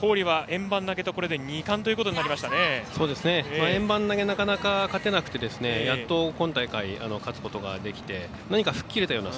円盤投げなかなか勝てなくてやっと、今大会勝つことができて何か吹っ切れたような